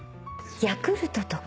ヤクルトとか。